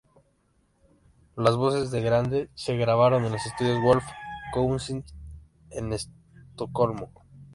Las voces de Grande se grabaron en los estudios Wolf Cousins en Estocolmo.